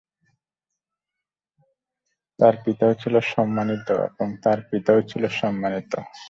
তার পিতাও ছিল সম্মানিত এবং তার পিতাও ছিল সম্মানিত।